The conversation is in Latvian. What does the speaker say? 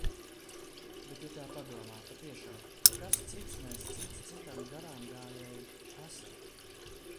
Bet, ja tā padomā, patiešām – kas cits mēs cits citam, garāmgājēji, esam?